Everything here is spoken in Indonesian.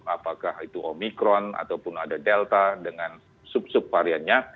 apakah itu omikron ataupun ada delta dengan sub sub variannya